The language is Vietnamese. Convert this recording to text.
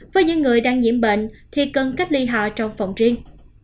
với những người đang nhiễm bệnh thì cần cách ly họ trong phòng riêng